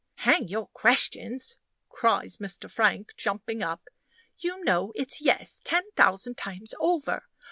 "Hang your questions!" cries Mr. Frank, jumping up; "you know it's Yes ten thousand times over.